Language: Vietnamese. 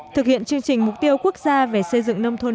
thực hiện chương trình mục tiêu quốc gia về xây dựng nông thôn